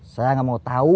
saya nggak mau tau